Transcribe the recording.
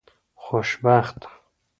خوشبخته